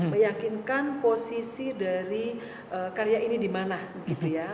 meyakinkan posisi dari karya ini di mana gitu ya